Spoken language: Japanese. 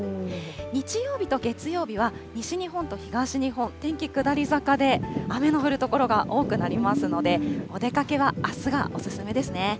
日曜日と月曜日は西日本と東日本、天気下り坂で、雨の降る所が多くなりますので、お出かけはあすがお勧めですね。